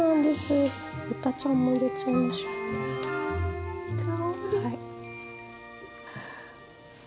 豚ちゃんも入れちゃいましょう。